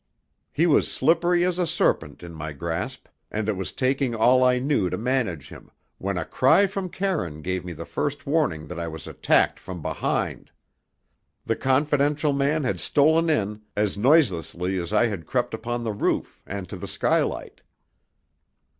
He was slippery as a serpent in my grasp, and it was taking all I knew to manage him, when a cry from Karine gave me the first warning that I was attacked from behind. The confidential man had stolen in as noiselessly as I had crept upon the roof and to the skylight.